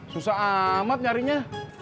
susah amat nyarinya